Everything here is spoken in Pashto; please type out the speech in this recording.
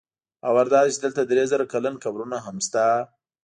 باور دا دی چې دلته درې زره کلن قبرونه هم شته.